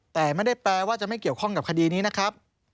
แต่ไม่ได้แปลว่าจะไม่เกี่ยวข้องกับคดีนี้นะครับ